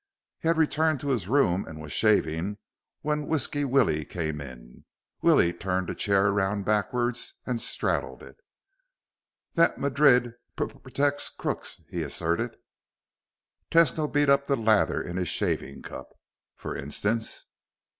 He had returned to his room and was shaving when Whisky Willie came in. Willie turned a chair around backwards and straddled it. "That Madrid p p protects crooks," he asserted. Tesno beat up a lather in his shaving cup. "For instance?"